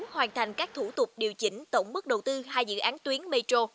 hoàn thành các thủ tục điều chỉnh tổng mức đầu tư hai dự án tuyến metro